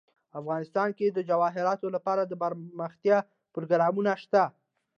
افغانستان کې د جواهرات لپاره دپرمختیا پروګرامونه شته.